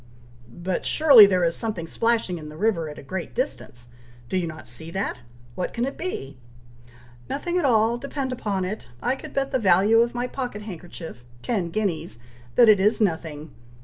"But surely there is something splashing in the river at a great distance. Do you not see that! what can it be?" "Nothing at all, depend upon it! I could bet the value of my pocket handkerchief, ten guineas, that it is nothing.